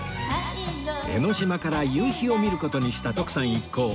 江の島から夕日を見る事にした徳さん一行